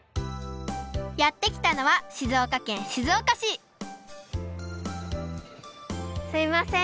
やってきたのはすいません。